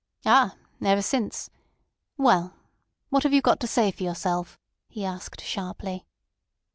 "Ah! ever since. Well! What have you got to say for yourself?" he asked sharply.